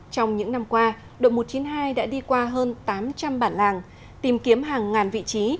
trong những năm qua đội một trăm chín mươi hai đã đi qua hơn tám trăm linh bản làng tìm kiếm hàng ngàn vị trí